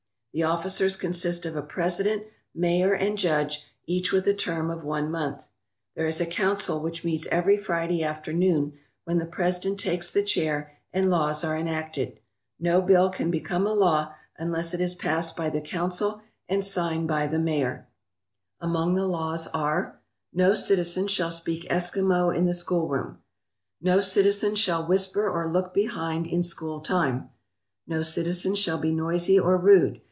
The officers consist of a president, mayor, and judge, each with a term of one month. There is a council, which meets every Friday after noon, when the president takes the chair and laws are enacted. No bill can become a law unless it is passed by the council and signed by the mayor. 225 ALASKA OUR NORTHERN WONDERLAND Among the laws are: "No citizen shall speak Eskimo in the schoolroom. "No citizen shall whisper or look behind in school time. "No citizen shall be noisy or rude.